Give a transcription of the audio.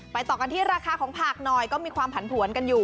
ต่อกันที่ราคาของผักหน่อยก็มีความผันผวนกันอยู่